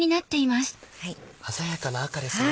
鮮やかな赤ですね。